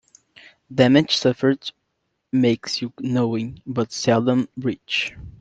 Damage suffered makes you knowing, but seldom rich.